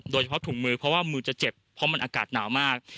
โดยเฉพาะถุงมือเพราะว่ามือจะเจ็บเพราะมันอากาศหนาวมาก